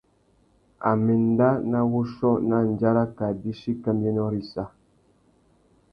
A mà enda nà wuchiô nà andjara kā bîchi kambiénô râ issa.